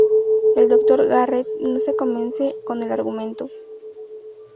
El dr. Garrett no se convence con el argumento.